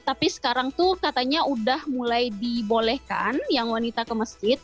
tapi sekarang tuh katanya udah mulai dibolehkan yang wanita ke masjid